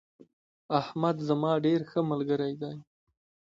احمد زما ډیر ښه ملگرى دي